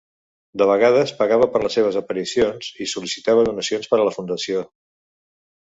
De vegades pagava per les seves aparicions i sol·licitava donacions per a la fundació.